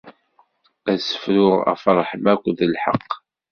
Ad ssefruɣ ɣef ṛṛeḥma akked lḥeqq.